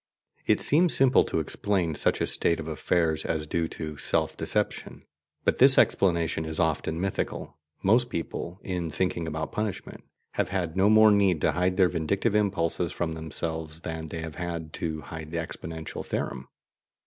It seems simple to explain such a state of affairs as due to "self deception," but this explanation is often mythical. Most people, in thinking about punishment, have had no more need to hide their vindictive impulses from themselves than they have had to hide the exponential theorem.